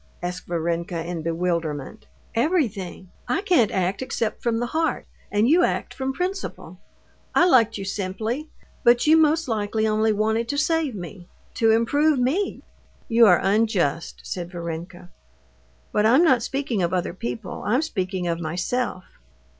asked Varenka in bewilderment. "Everything. I can't act except from the heart, and you act from principle. I liked you simply, but you most likely only wanted to save me, to improve me." "You are unjust," said Varenka. "But I'm not speaking of other people, I'm speaking of myself."